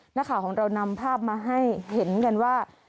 นักข่าวของเรานำภาพมาให้เห็นกันว่า